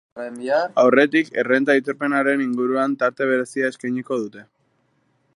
Aurretik, errenta aitorpenaren inguruan tarte berezia eskainiko dute.